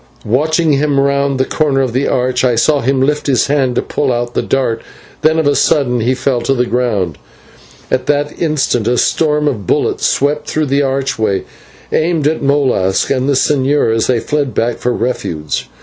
Watching round the corner of the arch, I saw him lift his hand to pull out the dart, then of a sudden he fell to the ground, and in that instant a storm of bullets swept through the archway, aimed at Molas and the señor as they fled back for refuge.